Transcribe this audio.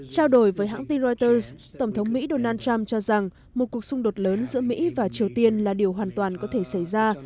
trao đổi với hãng tin reuters tổng thống mỹ donald trump cho rằng một cuộc xung đột lớn giữa mỹ và triều tiên là điều hoàn toàn có thể xảy ra